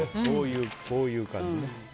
こういう感じね。